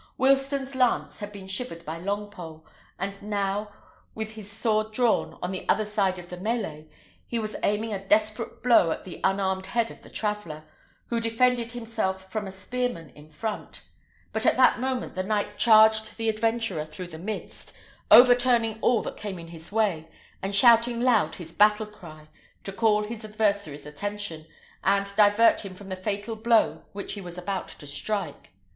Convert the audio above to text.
Wilsten's lance had been shivered by Longpole; and now, with his sword drawn, on the other side of the mêlée, he was aiming a desperate blow at the unarmed head of the traveller, who defended himself from a spearman in front; but at that moment the knight charged the adventurer through the midst, overturning all that came in his way, and shouting loud his battle cry, to call his adversary's attention, and divert him from the fatal blow which he was about to strike.